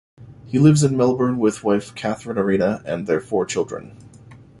He lives in Melbourne with wife Catherine Arena and their four children.